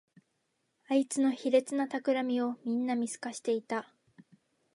あいつの卑劣なたくらみをみんな見透かしていた